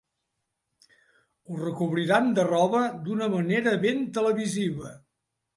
Ho recobriran de roba d'una manera ben televisiva.